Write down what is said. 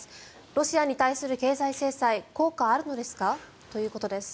ロシアに対する経済制裁効果あるのですか？ということです。